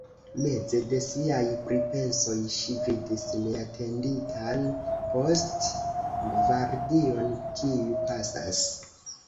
Meze de siaj pripensoj, ŝi vidis neatenditan post-gvardion, kiu pasas.